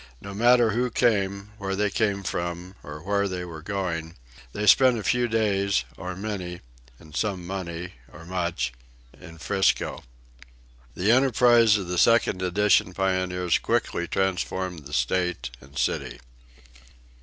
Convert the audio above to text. No matter who came, where they came from, or where they were going, they spent a few days, or many, and some money, or much, in "'Frisco." The enterprise of the second edition pioneers quickly transformed the State and city.